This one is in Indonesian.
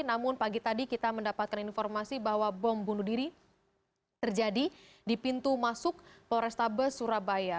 namun pagi tadi kita mendapatkan informasi bahwa bom bunuh diri terjadi di pintu masuk polrestabes surabaya